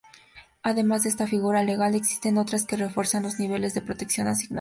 Además de esta figura legal, existen otras que refuerzan los niveles de protección asignados.